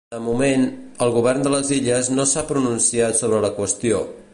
De moment, el govern de les Illes no s’ha pronunciat sobre la qüestió.